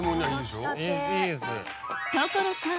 所さん